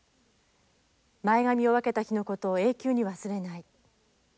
前髪を分けた日のことを永久に忘れない。